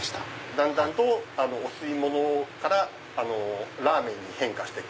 だんだんとお吸い物からラーメンに変化して行く。